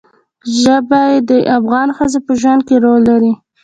ژبې د افغان ښځو په ژوند کې رول لري.